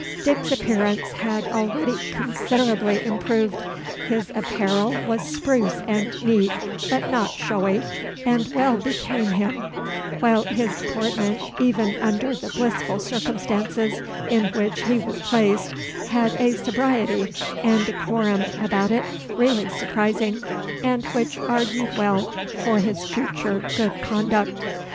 Dick's appearance had already considerably improved. His apparel was spruce and neat, but not showy, and well became him; while his deportment, even under the blissful circumstances in which he was placed, had a sobriety and decorum about it really surprising, and which argued well for his future good conduct.